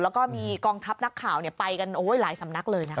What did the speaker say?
แล้วก็มีกองทัพนักข่าวไปกันหลายสำนักเลยนะคะ